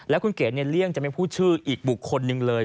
แล้วคุณเก๋เลี่ยงจะไม่พูดชื่ออีกบุคคลหนึ่งเลย